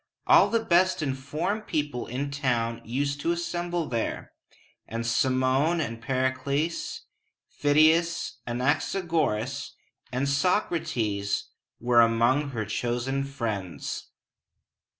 All the best informed people in town used to assemble there; and Cimon and Pericles, Phidias, Anaxagoras, and Soc´ra tes were among her chosen friends.